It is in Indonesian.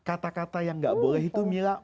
kata kata yang nggak boleh itu milah